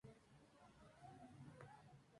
Evite las discusiones acaloradas.